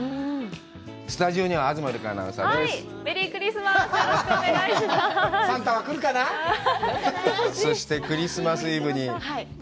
スタジオには東留伽アナウンサーです。